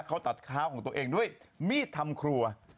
เขาตัดเท้าของตัวเองด้วยมีดทำครัว